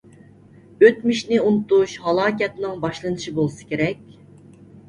ئۆتمۈشنى ئۇنتۇش ھالاكەتنىڭ باشلىنىشى بولسا كېرەك.